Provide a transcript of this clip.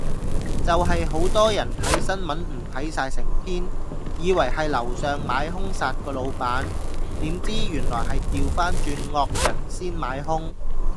就係好多人睇新聞唔睇晒成篇，以為係樓上買兇殺個老闆，點知原來係掉返轉惡人先買兇